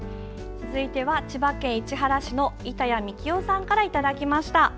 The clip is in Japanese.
続いては千葉県市原市の板谷三喜男さんからいただきました。